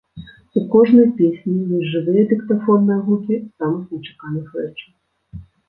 У кожнай песні ёсць жывыя дыктафонныя гукі самых нечаканых рэчаў.